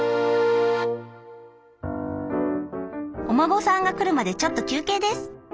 お孫さんが来るまでちょっと休憩です。